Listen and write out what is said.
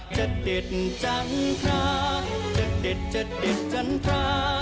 จัดเด็ดจันทราจัดเด็ดจัดเด็ดจันทรา